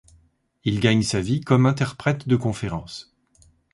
Il gagne sa vie comme interprète de conférence.